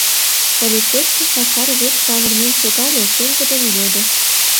Полицейский Сакар век савырнен шогале, пеҥгыдын йодо: